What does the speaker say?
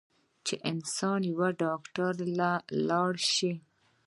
چې انسان يو ډاکټر له لاړشي